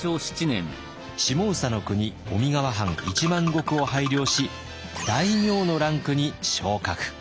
下総国小見川藩１万石を拝領し大名のランクに昇格。